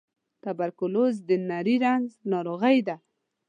توبرکلوز د نري رنځ ناروغۍ ده.